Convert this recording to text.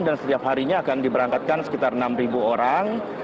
dan setiap harinya akan diberangkatkan sekitar enam ribu orang